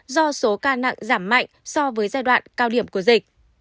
do số ca nặng giảm mạnh so với giai đoạn cao điểm của dịch